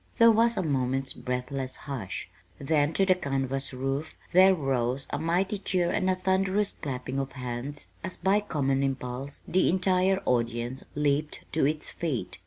There was a moment's breathless hush, then to the canvas roof there rose a mighty cheer and a thunderous clapping of hands as by common impulse the entire audience leaped to its feet.